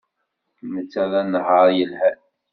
Netta d anehhaṛ yelhan.